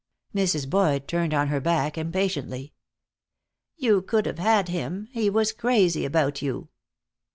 Mrs. Boyd turned on her back impatiently. "You could have had him. He was crazy about you.